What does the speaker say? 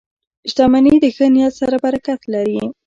• شتمني د ښه نیت سره برکت لري.